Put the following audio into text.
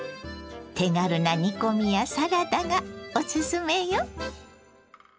手軽な煮込みやサラダがおすすめよ。